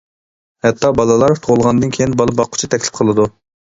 ھەتتا بالىلار تۇغۇلغاندىن كېيىن بالا باققۇچى تەكلىپ قىلىدۇ.